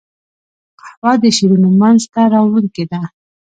قهوه د شعرونو منځ ته راوړونکې ده